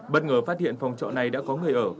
bất ngờ phát hiện phòng trọ này đã có người ở